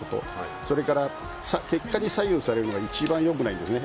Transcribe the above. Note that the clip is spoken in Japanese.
それから結果に左右されるのが一番良くないんですね。